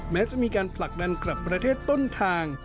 แม้จะมีการผลักดันกลับประเทศต้นทาง